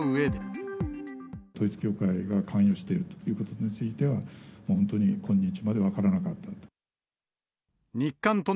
統一教会が関与しているということについては、本当に今日まで分からなかったと。